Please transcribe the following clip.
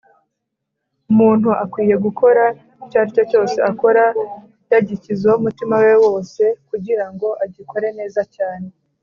Umuntu akwiye gukora icyaricyo cyose akora, yagishizeho umutima we wose kugirango agikore neza cyane.